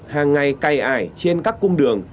hàng ngày cây ải trên các cung đường